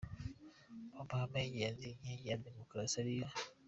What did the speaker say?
Mu mahame y’ingenzi y’inkingi za Demukarasi ariyo :